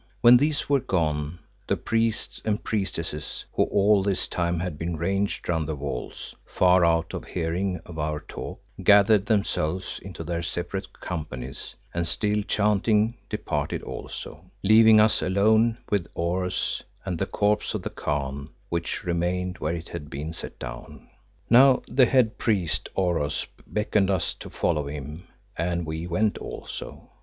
When these were gone, the priests and priestesses, who all this time had been ranged round the walls, far out of hearing of our talk, gathered themselves into their separate companies, and still chanting, departed also, leaving us alone with Oros and the corpse of the Khan, which remained where it had been set down. Now the head priest Oros beckoned to us to follow him, and we went also.